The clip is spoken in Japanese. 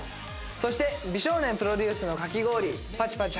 そして美少年プロデュースのかき氷パチパチ！